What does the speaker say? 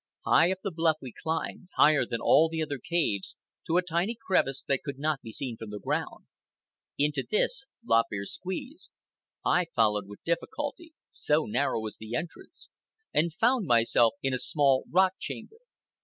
High up the bluff we climbed, higher than all the other caves, to a tiny crevice that could not be seen from the ground. Into this Lop Ear squeezed. I followed with difficulty, so narrow was the entrance, and found myself in a small rock chamber.